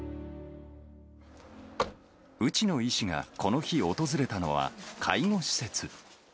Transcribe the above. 内野医師がこの日訪れたのは、介護施設。